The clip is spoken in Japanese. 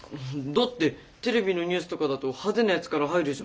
だってテレビのニュースとかだと派手なやつから入るじゃん。